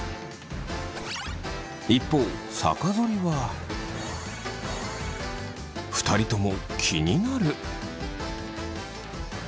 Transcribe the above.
一方逆ぞりは２人とも「気になる」。